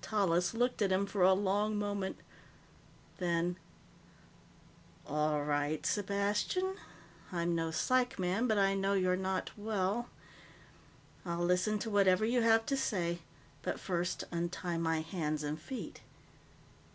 Tallis looked at him for a long moment. Then, "All right, Sepastian. I'm no psych man, but I know you're not well. I'll listen to whatever you have to say. But first, untie my hands and feet."